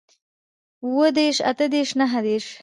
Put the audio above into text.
اووه دېرش اتۀ دېرش نهه دېرش